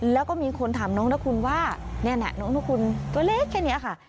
แล้วก็มีคนถามน้องนะคุณว่านี่แหละน้องนกคุณตัวเล็กแค่นี้ค่ะ